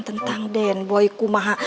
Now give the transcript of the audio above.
tentang den boy kumaha